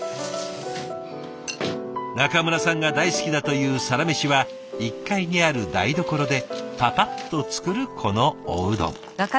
中村さんが大好きだというサラメシは１階にある台所でパパッと作るこのおうどん。